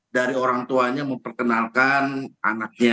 dari orang tuanya memperkenalkan anaknya